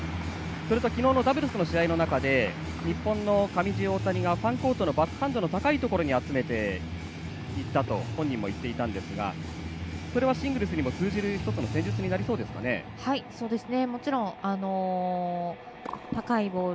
それと昨日のダブルの試合で日本の上地と大谷がファンコートのバックハンドの高いところに集めていったと本人も言っていたんですがそれはシングルスにも通じる１つの戦術になりそうですかね。